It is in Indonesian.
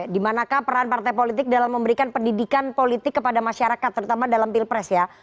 dimanakah peran partai politik dalam memberikan pendidikan politik kepada masyarakat terutama dalam pilpres ya